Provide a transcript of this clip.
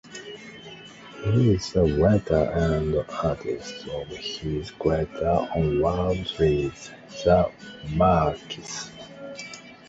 He is the writer and artist of his creator-owned series, "The Marquis".